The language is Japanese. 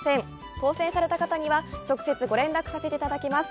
当せんされた方には直接ご連絡させていただきます。